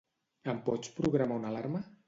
Em pots programar una alarma?